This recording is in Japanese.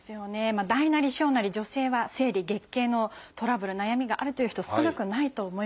大なり小なり女性は生理月経のトラブル悩みがあるっていう人少なくないと思います。